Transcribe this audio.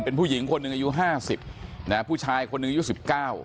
เป็นผู้หญิงคนหนึ่งอายุห้าสิบนะฮะผู้ชายคนหนึ่งอายุสิบเก้า